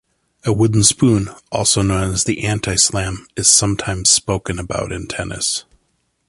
A wooden spoon, also known as the "anti-slam", is sometimes spoken about in tennis.